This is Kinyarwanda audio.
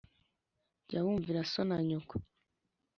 jya wumvira so na nyoko